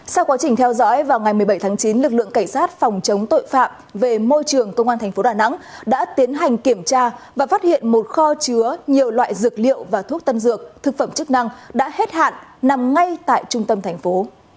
sau quá trình theo dõi vào ngày một mươi bảy tháng chín lực lượng cảnh sát phòng chống tội phạm về môi trường công an tp đà nẵng đã tiến hành kiểm tra và phát hiện một kho chứa nhiều loại dược liệu và thuốc tân dược thực phẩm chức năng đã hết hạn nằm ngay tại trung tâm thành phố